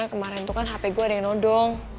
kemaren tuh kan kp gue ada yang nodong